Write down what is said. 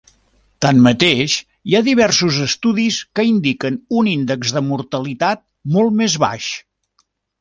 Tanmateix, hi ha diversos estudis que indiquen un índex de mortalitat molt més baix.